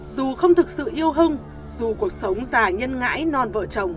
dù không thực sự yêu hưng dù cuộc sống già nhân ngãi non vợ chồng